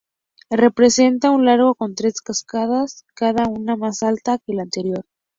Representa un lago con tres cascadas, cada una más alta que la anterior.